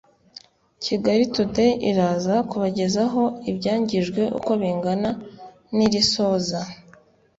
Kigali Today iraza kubagezaho ibyangijwe uko bingana nirisoza